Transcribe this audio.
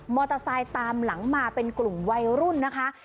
เตอร์ไซค์ตามหลังมาเป็นกลุ่มวัยรุ่นนะคะ